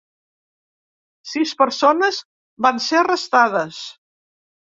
Sis persones van ser arrestades.